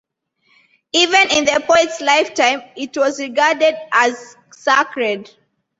Even in the poet's lifetime it was regarded as sacred.